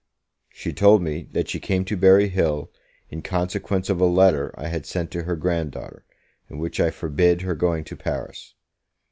She told me, that she came to Berry Hill, in consequence of a letter I had sent to her grand daughter, in which I forbid her going to Paris.